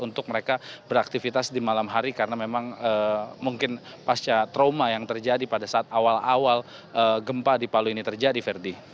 untuk mereka beraktivitas di malam hari karena memang mungkin pasca trauma yang terjadi pada saat awal awal gempa di palu ini terjadi ferdi